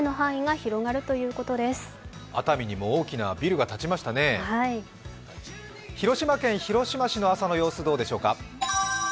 広島県広島市の朝様子、どうでしょうか。